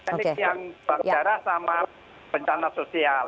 politeknik yang berdarah sama bencana sosial